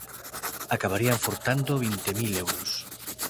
Acabarían furtando vinte mil euros.